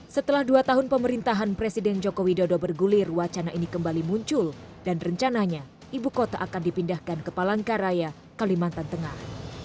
setelah dua tahun pemerintahan presiden joko widodo bergulir wacana ini kembali muncul dan rencananya ibu kota akan dipindahkan ke palangkaraya kalimantan tengah